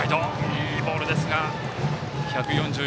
いいボールですね。